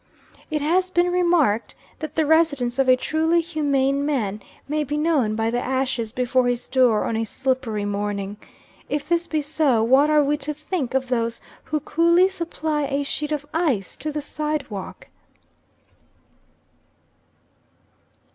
It has been remarked that the residence of a truly humane man may be known by the ashes before his door on a slippery morning. If this be so, what are we to think of those who coolly supply a sheet of ice to the side walk?